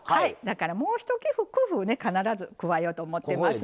だからもう一工夫ね必ず加えようと思ってます。